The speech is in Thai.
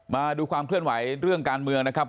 มาดูความเคลื่อนไหวเรื่องการเมืองนะครับ